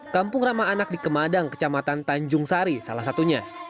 kampung ramah anak di kemadang kecamatan tanjung sari salah satunya